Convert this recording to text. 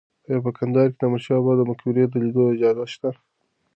ایا په کندهار کې د احمد شاه بابا د مقبرې د لیدو اجازه شته؟